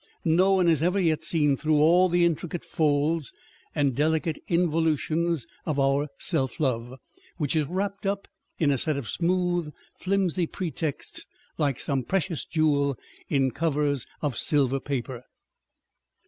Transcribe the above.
No one has ever yet seen through all the intricate folds and delicate involutions of our self love, which is wrapped up in a set of smooth flimsy pretexts like some precious jewel in covers of silver paper.